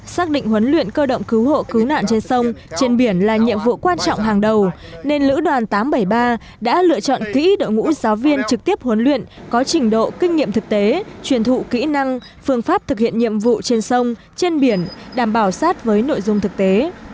xác định huấn luyện cơ động cứu hộ cứu nạn trên sông trên biển là nhiệm vụ quan trọng hàng đầu nên lữ đoàn tám trăm bảy mươi ba đã lựa chọn kỹ đội ngũ giáo viên trực tiếp huấn luyện có trình độ kinh nghiệm thực tế truyền thụ kỹ năng phương pháp thực hiện nhiệm vụ trên sông trên biển đảm bảo sát với nội dung thực tế